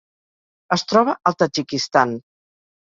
Es troba al Tadjikistan.